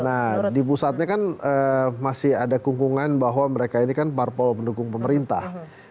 nah di pusatnya kan masih ada kungkungan bahwa mereka ini kan parpol pendukung pemerintah